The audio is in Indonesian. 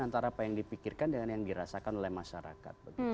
antara apa yang dipikirkan dengan yang dirasakan oleh masyarakat